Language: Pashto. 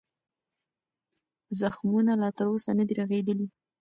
زخمونه لا تر اوسه نه دي رغېدلي.